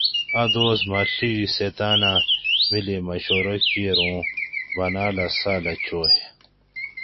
اٞ دوس مٞہ ݪی سیتاۤن اٞ مِلی مشورہ کِیر اُوں باٞناٞلاٞں ساٞلہ چوئ